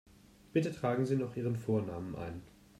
Bitte tragen Sie noch Ihren Vornamen ein.